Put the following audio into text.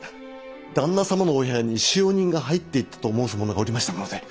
旦那様のお部屋に使用人が入っていったと申す者がおりましたもので。